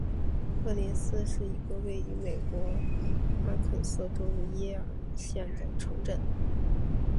科林斯是一个位于美国阿肯色州耶尔县的城镇。